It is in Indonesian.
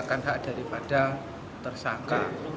mengatakan hak daripada tersangka